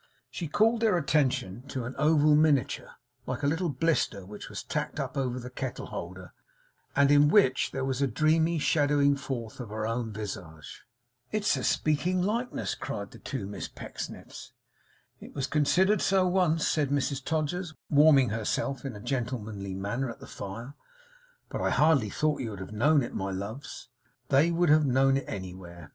She called their attention to an oval miniature, like a little blister, which was tacked up over the kettle holder, and in which there was a dreamy shadowing forth of her own visage. 'It's a speaking likeness!' cried the two Miss Pecksniffs. 'It was considered so once,' said Mrs Todgers, warming herself in a gentlemanly manner at the fire; 'but I hardly thought you would have known it, my loves.' They would have known it anywhere.